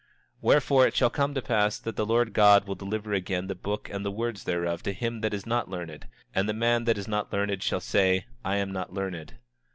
27:19 Wherefore it shall come to pass, that the Lord God will deliver again the book and the words thereof to him that is not learned; and the man that is not learned shall say: I am not learned.